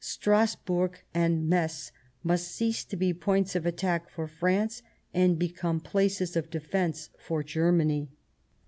Strasburg and M^tz must cease to be points of attack for France and become places of defence for Germany."